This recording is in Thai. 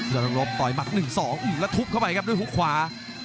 กำลังลบต่อยหมัด๑๒แล้วทุบเข้าไปครับด้วยฮุกขวา